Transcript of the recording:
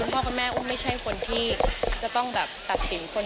หรือว่าพ่อกับแม่อุ้มไม่ใช่คนที่จะต้องตัดสินคน